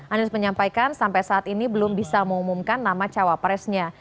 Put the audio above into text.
anies menyampaikan sampai saat ini belum bisa mengumumkan nama cawapresnya